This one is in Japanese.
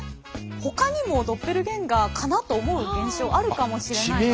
ほかにもドッペルゲンガーかなと思う現象あるかもしれないので。